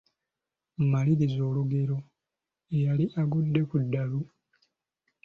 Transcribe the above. Maliriza olugero: Eyali agudde ku ddalu, ….